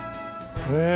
へえ。